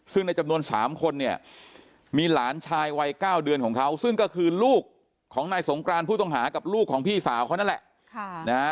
ซึ่งในจำนวน๓คนเนี่ยมีหลานชายวัย๙เดือนของเขาซึ่งก็คือลูกของนายสงกรานผู้ต้องหากับลูกของพี่สาวเขานั่นแหละ